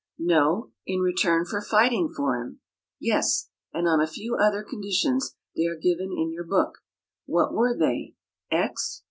"No, in return for fighting for him." "Yes, and on a few other conditions; they are given in your book. What were they, X?